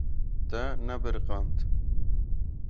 Te nebiriqand.